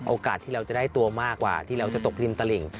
โอกาสที่เราจะได้ตัวมากกว่าที่เราจะตกริมตลิ่ง